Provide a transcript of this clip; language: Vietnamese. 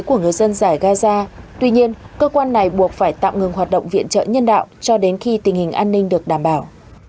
của người dân giải gaza tuy nhiên cơ quan này buộc phải tạm ngừng hoạt động viện trợ nhân đạo cho đến khi tình hình an ninh được đảm bảo